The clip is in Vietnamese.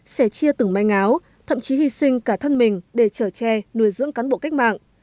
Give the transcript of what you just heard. sẽ chia từng may áo thậm chí hy sinh cả thân mình để trở tre nuôi dưỡng cán bộ cách mạng